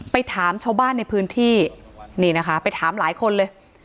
ไปถามชาวบ้านในพื้นที่นี่นะคะไปถามหลายคนเลย